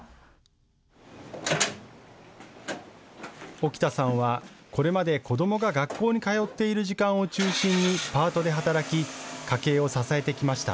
沖田さんはこれまで子どもが学校に通っている時間を中心にパートで働き、家計を支えてきました。